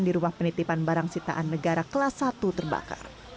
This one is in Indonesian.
di rumah penitipan barang sitaan negara kelas satu terbakar